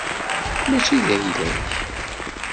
Mačči d ayla-k.